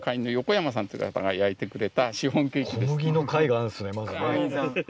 小麦の会があるんですねまずね。